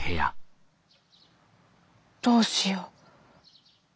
どうしよう。